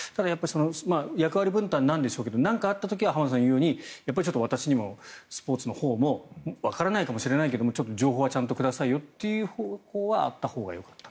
役割分担なんでしょうけど何かあった時は浜田さんがおっしゃるように私にも、スポーツのほうもわからないかもしれないけどちょっと情報はくださいという方向はあったほうがよかった。